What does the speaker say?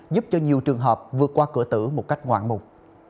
giúp cho nhiều trường hợp vượt qua cửa tử một cách ngoạn mục